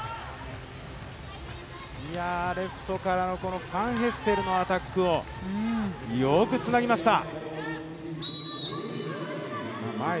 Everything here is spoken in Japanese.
レフトからのファンヘステルからのブロックをよくつなぎました。